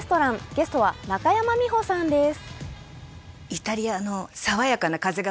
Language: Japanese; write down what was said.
ゲストは中山美穂さんです。